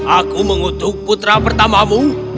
aku mengutuk putra pertamamu